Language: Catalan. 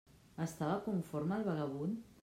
Estava conforme el vagabund?